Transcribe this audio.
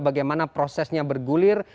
bagaimana prosesnya bergulir